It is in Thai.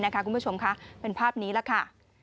คุณผู้ชมค่ะเป็นภาพนี้แหละค่ะ